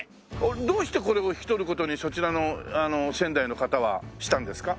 どうしてこれを引き取る事にそちらの仙台の方はしたんですか？